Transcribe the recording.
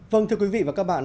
vâng thưa quý vị và các bạn